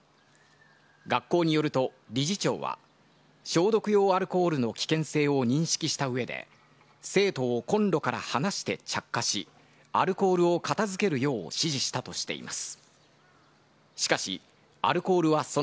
学校によると、理事長は消毒用アルコールの危険性を認識した上で生徒をコンロから離して着火しアルコールを片付けるよう指示したとしています。